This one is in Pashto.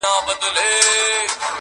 په منډه ولاړه ویل ابتر یې!!